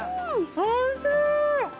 おいしい！